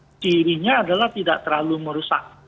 salah satu cirinya adalah tidak terlalu merusak